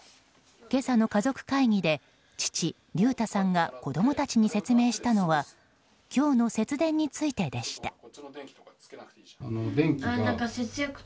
今朝の家族会議で父・竜太さんが子供たちに説明したのは今日の節電についてでした。